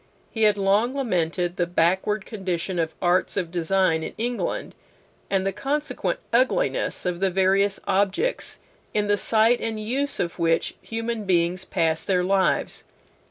He had long lamented the backward condition of arts of design in England, and the consequent ugliness of the various objects in the sight and use of which human beings pass their lives.